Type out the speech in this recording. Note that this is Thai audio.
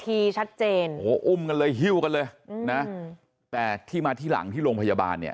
ทีชัดเจนโอ้โหอุ้มกันเลยฮิ้วกันเลยอืมนะแต่ที่มาที่หลังที่โรงพยาบาลเนี่ย